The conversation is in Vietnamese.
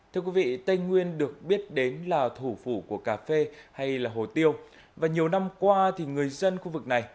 thưa quý vị tây nguyên được biết đến là thủ phủ của cà phê hay là hồ tiêu và nhiều năm qua thì người dân khu vực này